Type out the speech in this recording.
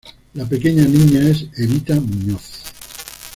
La pequeña niña es Evita Muñoz.